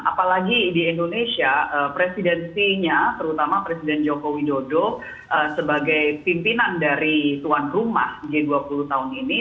apalagi di indonesia presidensinya terutama presiden joko widodo sebagai pimpinan dari tuan rumah g dua puluh tahun ini